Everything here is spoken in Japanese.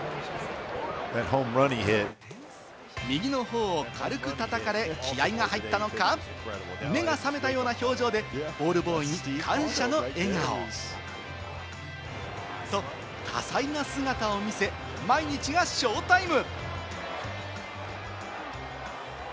右の頬を軽く叩かれ、気合が入ったのか、目が覚めたような表情でボールボーイに感謝の笑顔と多彩な姿を見せ、毎日がショータイム。